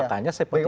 makanya saya percaya